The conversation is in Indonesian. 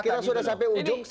kita sudah sampai ujung